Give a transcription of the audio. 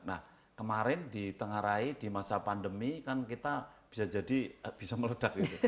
nah kemarin ditengarai di masa pandemi kan kita bisa jadi bisa meledak gitu